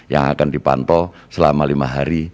yang akan dipantau selama lima hari